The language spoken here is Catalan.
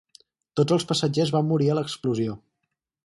Tots els passatgers van morir a l'explosió.